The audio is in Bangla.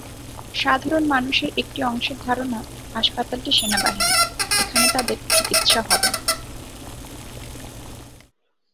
সাধারণ মানুষের একটি অংশের ধারণা, হাসপাতালটি সেনাবাহিনীর, এখানে তাদের চিকিৎসা হবে না।